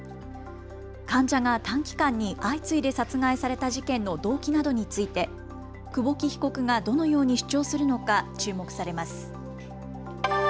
患者が短期間に相次いで殺害された事件の動機などについて久保木被告がどのように主張するのか注目されます。